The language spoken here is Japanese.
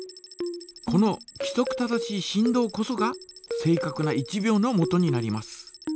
このきそく正しい振動こそが正かくな１秒のもとになります。